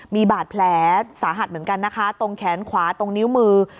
มีบาดแผลสาหัสเหมือนกันนะคะตรงแขนขวาตรงนิ้วมือ